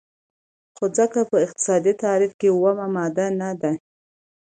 خو ځمکه په اقتصادي تعریف اومه ماده نه ده.